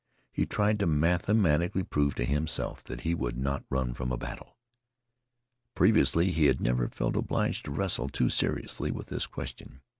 He tried to mathematically prove to himself that he would not run from a battle. Previously he had never felt obliged to wrestle too seriously with this question.